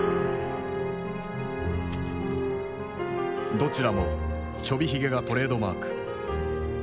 どちらもチョビひげがトレードマーク。